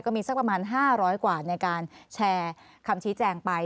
มีสักประมาณ๕๐๐กว่าในการแชร์คำชี้แจงไป